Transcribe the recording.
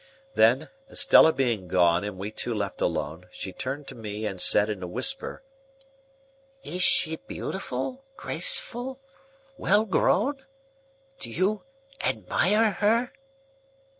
Then, Estella being gone and we two left alone, she turned to me, and said in a whisper,— "Is she beautiful, graceful, well grown? Do you admire her?"